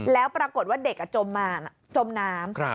แล้วปรากฏว่าเด็กจมมาจมน้ำ